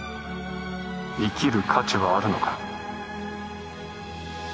生きる価値はあるのか？